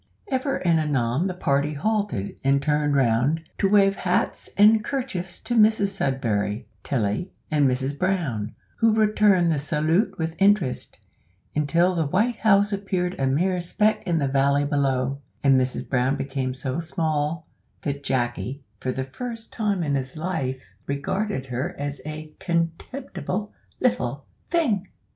Ever and anon the party halted and turned round to wave hats and kerchiefs to Mrs Sudberry, Tilly, and Mrs Brown, who returned the salute with interest, until the White House appeared a mere speck in the valley below, and Mrs Brown became so small, that Jacky, for the first time in his life, regarded her as a contemptible little thing!